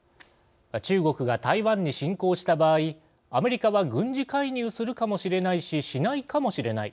中国が台湾に侵攻した場合アメリカは軍事介入するかもしれないししないかもしれない。